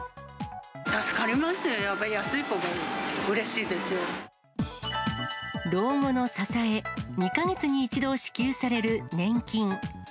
助かりますよ、やっぱり安い老後の支え、２か月に１度支給される年金。